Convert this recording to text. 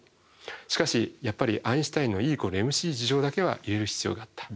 しかしやっぱりアインシュタインのＥ＝ｍｃだけは入れる必要があった。